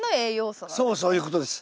そういうことです。